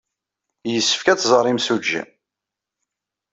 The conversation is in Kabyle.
Yessefk ad tẓer imsujji.